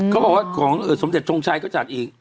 เขาบอกว่าของสมเด็จชงชัยก็จัดอีก